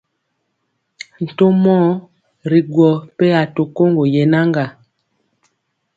Ntomɔɔ ri gwɔ peya to koŋgo yenaŋga.